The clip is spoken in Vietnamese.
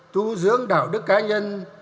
tu dưỡng đạo đức cá nhân